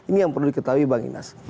ini yang perlu diketahui bang inas